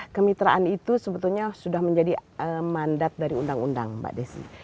kemitraan itu sebetulnya sudah menjadi mandat dari undang undang mbak desi